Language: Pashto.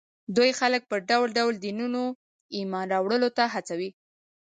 دوی خلک پر ډول ډول دینونو ایمان راوړلو ته هڅولي